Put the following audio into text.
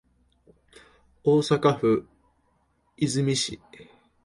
大阪府和泉市